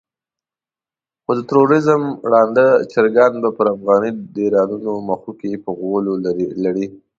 خو د تروريزم ړانده چرګان به پر افغاني ډيرانونو مښوکې په غولو لړي.